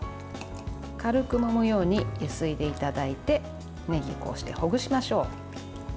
軽くもむようにゆすいでいただいてねぎをほぐしましょう。